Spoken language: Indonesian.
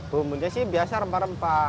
bumbunya sih biasa rempah rempah